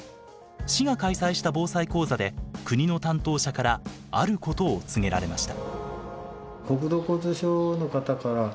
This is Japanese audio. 市が開催した防災講座で国の担当者からあることを告げられました。